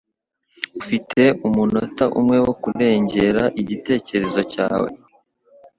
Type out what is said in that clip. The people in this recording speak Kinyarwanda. Ufite umunota umwe wo kurengera igitekerezo cyawe.